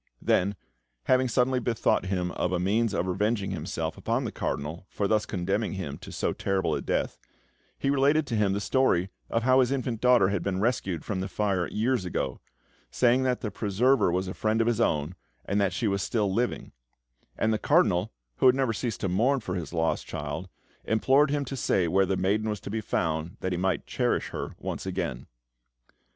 Then, having suddenly bethought him of a means of revenging himself upon the Cardinal for thus condemning him to so terrible a death, he related to him the story of how his infant daughter had been rescued from the fire years ago, saying that her preserver was a friend of his own, and that she was still living; and the Cardinal, who had never ceased to mourn for his lost child, implored him to say where the maiden was to be found, that he might cherish her once again.